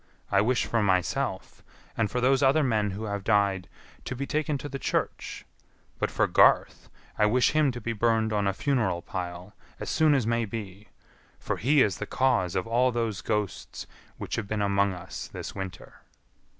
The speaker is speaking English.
I wish for myself, and for those other men who have died, to be taken to the church; but for Garth, I wish him to be burned on a funeral pile as soon as may be, for he is the cause of all those ghosts which have been among us this winter."